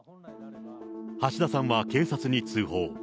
橋田さんは警察に通報。